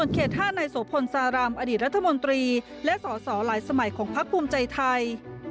เขต๕นายโสพลสารามอดีตรัฐมนตรีและสอสอหลายสมัยของพักภูมิใจไทย